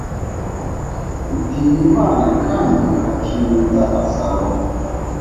utinya imana kandi akirinda azabaho